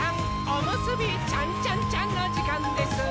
おむすびちゃんちゃんちゃんのじかんです！